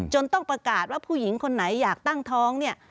ต้องประกาศว่าผู้หญิงคนไหนอยากตั้งท้องเนี่ย